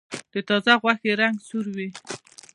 د تازه غوښې رنګ سور وي.